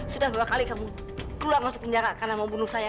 sudah berapa kali kamu keluar masuk penjara karena mau bunuh saya